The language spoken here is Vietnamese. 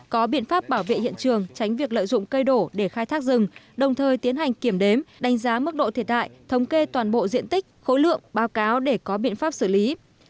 có biện pháp bảo vệ hiện trường tránh việc lợi dụng cây đổ để khai thác rừng đồng thời tiến hành kiểm đếm đánh giá mức độ thiệt hại thống kê toàn bộ diện tích khối lượng báo cáo để có biện pháp xử lý